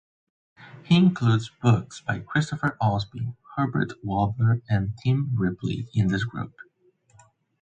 He includes books by Christopher Ailsby, Herbert Walther, and Tim Ripley in this group.